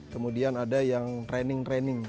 kemudian ada yang training training